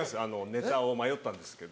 ネタを迷ったんですけど。